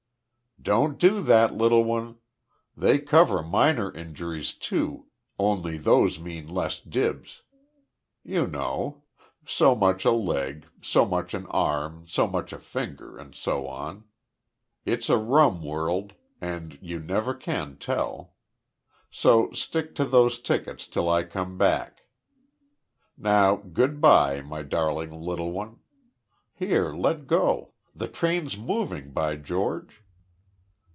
"Don't do that, little one. They cover minor injuries too, only those mean less dibs. You know. So much a leg, so much an arm, so much a finger and so on. It's a rum world and you never can tell. So stick to those tickets till I come back. Now, good bye, my darling little one. Here, let go the train's moving, by George!"